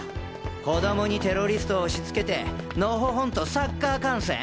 子供にテロリスト押しつけてのほほんとサッカー観戦？